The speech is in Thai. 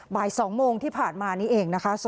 บ่าย๒โมงที่ผ่านมานี้เองนะคะ